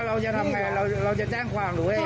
อิ้บเราจะทำยังไงเราจะแจ้งความหรือยังไง